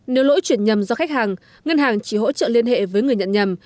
nếu lỗi chuyển nhầm do khách hàng ngân hàng chỉ hỗ trợ liên hệ với người nhận nhầm